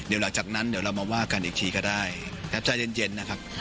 เดี๋ยวหลังจากนั้นเรามาว่ากันอีกทีก็ได้แปปไทยเย็นครับต้องค่อยไป